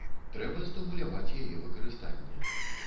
Трэба стымуляваць яе выкарыстанне.